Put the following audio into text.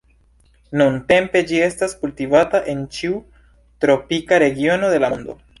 Nuntempe ĝi estas kultivata en ĉiu tropika regiono de la mondo.